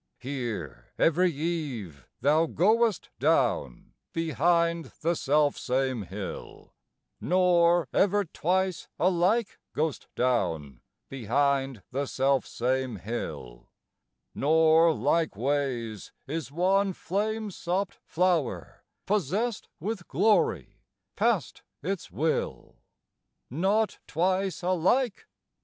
Here every eve thou goest down Behind the self same hill, Nor ever twice alike go'st down Behind the self same hill; Nor like ways is one flame sopped flower Possessed with glory past its will. Not twice alike!